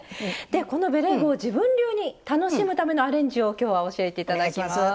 でこのベレー帽を自分流に楽しむためのアレンジを今日は教えて頂きます。